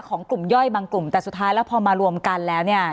ของกลุ่มย่อยบางกลุ่มแต่สุดท้ายแล้วพอมารวมกันแล้วเนี่ย